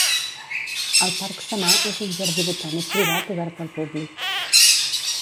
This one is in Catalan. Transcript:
El Parc Samà és un jardí botànic privat obert al públic